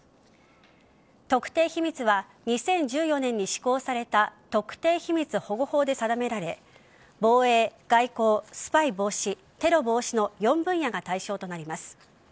特定秘密は２０１４年に施行された特定秘密保護法で定められ防衛、外交、スパイ防止テロ防止の４分野が対象となります。